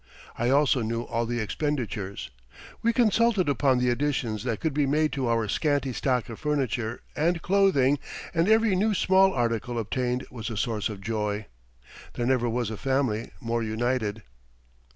I also knew all the expenditures. We consulted upon the additions that could be made to our scanty stock of furniture and clothing and every new small article obtained was a source of joy. There never was a family more united.